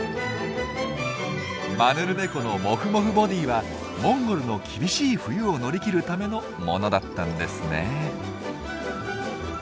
マヌルネコのモフモフボディーはモンゴルの厳しい冬を乗り切るためのものだったんですね。